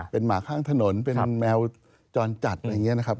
เป็นหมาข้างถนนเป็นแมวจรจัดอะไรอย่างนี้นะครับ